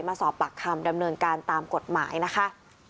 มาสอบปากคำดำเนินการตามกฎหมายนะคะ